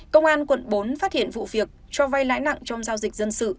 công an quận bốn phát hiện vụ việc cho vay lãi nặng trong giao dịch dân sự